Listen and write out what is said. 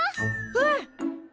うん！